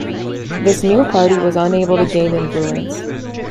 This new party was unable to gain influence.